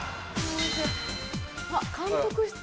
あっ監督室。